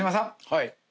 はい。